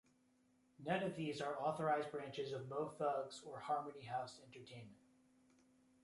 None of these are authorizied branches of Mo Thugs or Harmony Howse Entertainment.